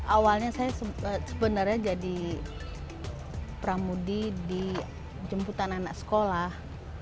awalnya saya sebenarnya jadi pramudi di jemputan anak sekolah